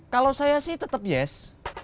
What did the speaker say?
kalau saya sih tetap yes